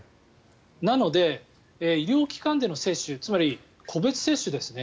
なので、医療機関での接種つまり、個別接種ですね。